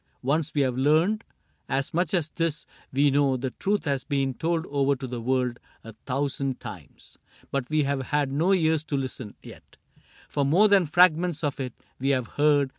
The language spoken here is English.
Once we have learned As much as this, we know the truth has been Told over to the world a thousand times ;— But we have had no ears to listen yet For more than fragments of it : we have heard